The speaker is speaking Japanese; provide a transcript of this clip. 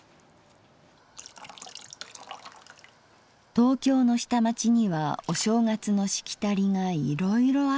「東京の下町にはお正月のしきたりがいろいろあった。